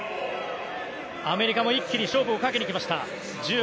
アメリカも一気に勝負をかけに来ました。